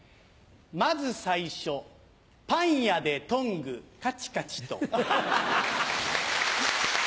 先ず最初パン屋でトングカチカチと。